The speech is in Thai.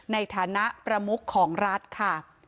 ในฐานะประมุขของรัฐค่ะ